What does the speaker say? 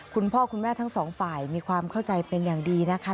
คุณพ่อคุณแม่ทั้งสองฝ่ายมีความเข้าใจเป็นอย่างดีนะคะ